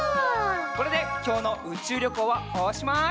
これできょうのうちゅうりょこうはおしまい！